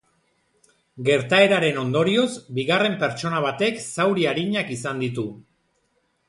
Gertaeraren ondorioz, bigarren pertsona batek zauri arinak izan ditu.